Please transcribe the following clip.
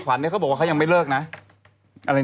คุณละกะเทยก็อยากแต่งเลย